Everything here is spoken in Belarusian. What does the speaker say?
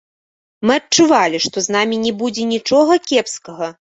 Мы адчувалі, што з намі не будзе нічога кепскага.